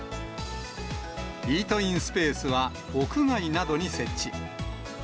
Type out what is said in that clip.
イートインスペースは屋外などに設置。